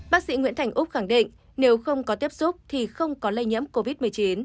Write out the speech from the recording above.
bác sĩ nguyễn thành úc khẳng định nếu không có tiếp xúc thì không có lây nhiễm covid một mươi chín